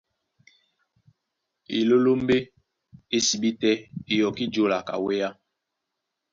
Elélómbé é sibí tɛ́ é yɔkí jǒla ka wéá.